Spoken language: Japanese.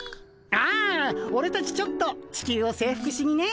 ああオレたちちょっとチキュウを征服しにね。